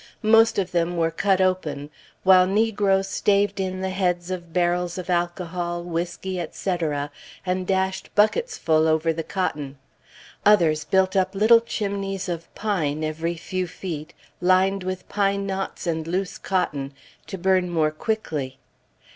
Most of them were cut open, while negroes staved in the heads of barrels of alcohol, whiskey, etc., and dashed bucketsful over the cotton. Others built up little chimneys of pine every few feet, lined with pine knots and loose cotton, to burn more quickly.